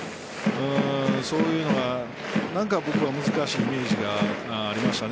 そういうのが何か僕は難しいイメージがありました。